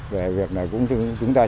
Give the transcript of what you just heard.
về việc này chúng ta cũng chỉ có